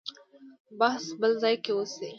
بحث بل ځای کې وشي.